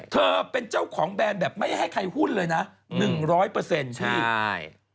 เธอเป็นเจ้าของแบรนด์แบบไม่ให้ใครหุ้นเลยนะ๑๐๐ที่